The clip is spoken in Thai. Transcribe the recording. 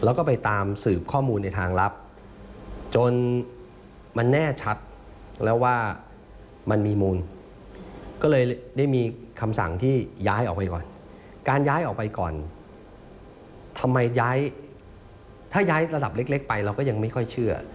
ว่าคนนี้แหละย้ายคนนี้ไปออกเราเลยเริ่มเชื่อ